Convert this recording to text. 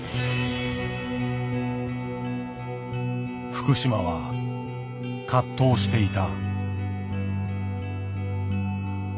福島は葛藤していた。